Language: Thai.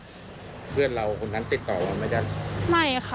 เพื่อนเราคนนั้นติดต่อมาไหมครับ